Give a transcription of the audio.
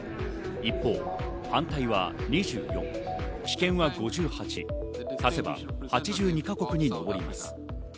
一方、反対は２４、棄権は５８、足せば８２か国に上ります。